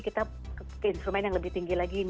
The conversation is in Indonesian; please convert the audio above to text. kita ke instrumen yang lebih tinggi lagi